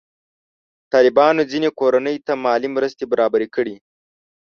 طالبانو ځینې کورنۍ ته مالي مرستې برابرې کړي.